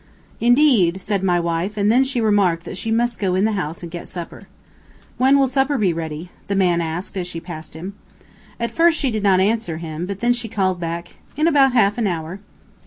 "Indeed!" said my wife, and then she remarked that she must go in the house and get supper. "When will supper be ready?" the man asked, as she passed him. At first she did not answer him, but then she called back: "In about half an hour."